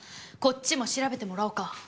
こっちも調べてもらおうか。